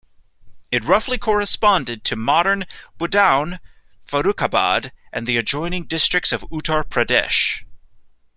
It roughly corresponded to modern Budaun, Farrukhabad and the adjoining districts of Uttar Pradesh.